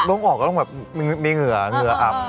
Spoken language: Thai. ต้องออกก็ต้องแบบมีเหงื่อเหงื่ออับ